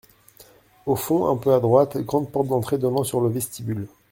Au fond un peu à droite, grande porte d’entrée donnant sur le vestibule.